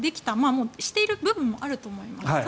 もう、している部分もあると思います。